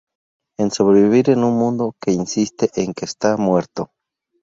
En sobrevivir en un mundo que insiste en que está muerto.